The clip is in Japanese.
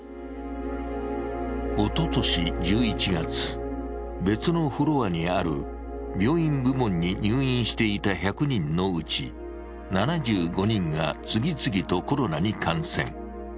おととし１１月、別のフロアにある病院部門に入院していた１００人のうち７５人が次々とコロナに感染。